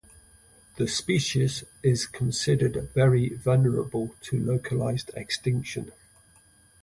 The species is considered very vulnerable to localised extinction.